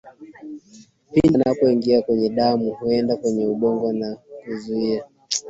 pindi inapoingia kwenye damu huenda kwenye ubongo na kuzuia